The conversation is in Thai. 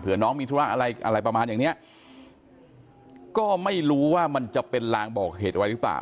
เพื่อน้องมีธุระอะไรอะไรประมาณอย่างเนี้ยก็ไม่รู้ว่ามันจะเป็นลางบอกเหตุไว้หรือเปล่า